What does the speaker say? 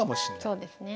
そうですね。